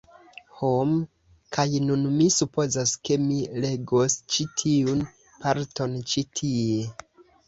Hum, kaj nun mi supozas ke mi legos ĉi tiun parton ĉi tie